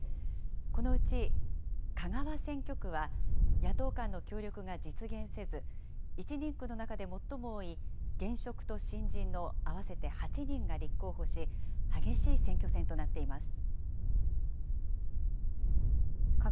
このうち香川選挙区は、野党間の協力が実現せず、１人区の中で最も多い現職と新人の合わせて８人が立候補し、激しい選挙戦となっています。